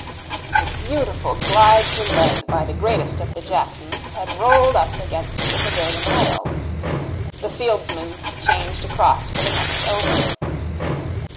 A beautiful glide to leg by the greatest of the Jacksons had rolled up against the pavilion rails. The fieldsmen changed across for the next over.